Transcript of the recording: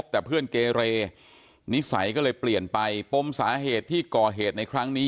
แต่เพื่อนเกเรนิสัยก็เลยเปลี่ยนไปปมสาเหตุที่ก่อเหตุในครั้งนี้